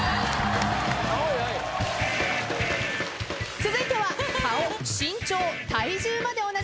続いては。